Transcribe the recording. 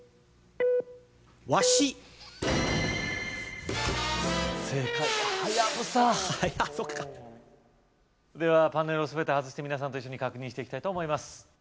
ワシ正解はハヤブサそうかではパネルをすべて外して皆さんと一緒に確認していきたいと思います